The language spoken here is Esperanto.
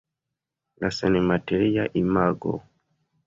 La senmateria imago.